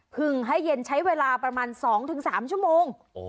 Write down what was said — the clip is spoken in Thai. พึ่งให้เย็นใช้เวลาประมาณ๒๓ชั่วโมง